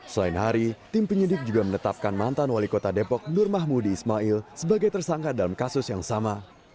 selain hari tim penyidik juga menetapkan mantan wali kota depok nur mahmudi ismail sebagai tersangka dalam kasus yang sama